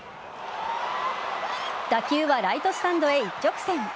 打球はライトスタンドへ一直線。